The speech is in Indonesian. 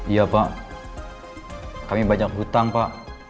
iya pak kami banyak hutang pak